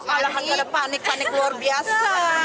olahannya panik panik luar biasa